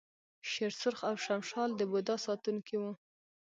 شیر سرخ او شمشال د بودا ساتونکي وو